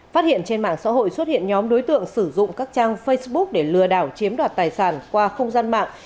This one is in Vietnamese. phát hiện trên mạng xã hội xuất hiện nhóm đối tượng sử dụng các trang facebook để lừa đảo chiếm đoạt tài sản qua không gian mạng